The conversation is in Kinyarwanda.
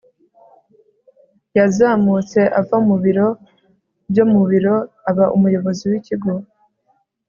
yazamutse ava mu biro byo mu biro aba umuyobozi w'ikigo